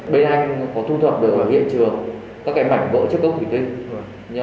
bên anh có thu thập được ở hiện trường các mảnh vỡ chất cốc thủy tinh